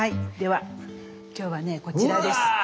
では今日はねこちらです。